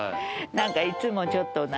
なんかいつもちょっと何。